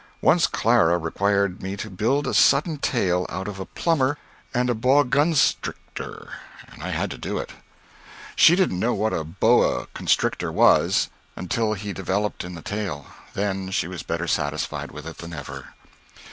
Once Clara required me to build a sudden tale out of a plumber and a "bawgunstrictor," and I had to do it. She didn't know what a boa constrictor was, until he developed in the tale then she was better satisfied with it than ever.